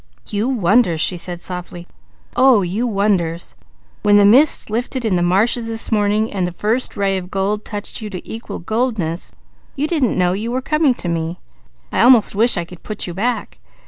"You wonders!" she said softly. "Oh you wonders! When the mists lifted in the marshes this morning, and the first ray of gold touched you to equal goldness, you didn't know you were coming to me. I almost wish I could put you back.